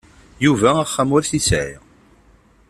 Yuba axxam ur t-yesεi.